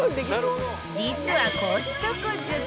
実はコストコ好き